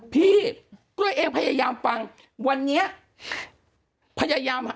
พี่ก็เลยเอ๊ะพยายามฟังวันเนี๊ยะ